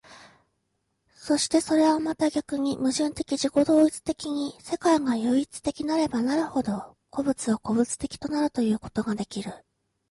そしてそれはまた逆に矛盾的自己同一的に世界が唯一的なればなるほど、個物は個物的となるということができる。